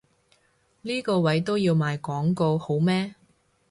呢個位都要賣廣告好咩？